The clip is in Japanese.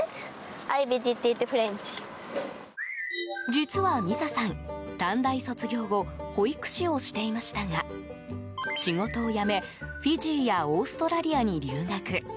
実はミサさん、短大卒業後保育士をしていましたが仕事を辞め、フィジーやオーストラリアに留学。